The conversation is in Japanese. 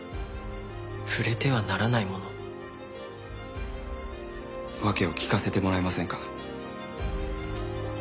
「触れてはならないもの」？訳を聞かせてもらえませんか？